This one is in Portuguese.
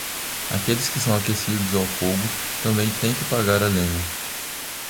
Aqueles que são aquecidos ao fogo também têm que pagar a lenha.